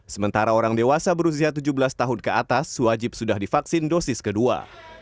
sementara orang dewasa berusia tujuh belas tahun ke atas wajib sudah divaksin dosis kedua